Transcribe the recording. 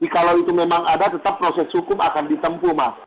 jadi memang ada tetap proses hukum akan ditempuh mas